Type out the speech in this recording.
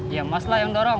ya mas lah yang dorong